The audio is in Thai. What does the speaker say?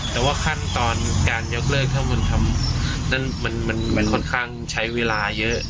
แต่ว่าขั้นตอนการยกเลิกถ้าบุญธรรมนั้นมันค่อนข้างใช้เวลาเยอะ